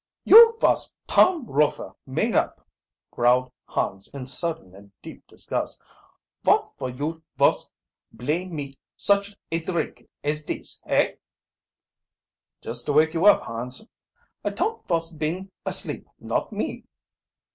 "You vos Tom Rofer, made up," growled Hans in sudden and deep disgust. "Vot for you vos blay me such a drick as dis, hey?" "Just to wake you up, Hans." "I ton't vos been asleep, not me!"